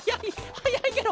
はやいケロ！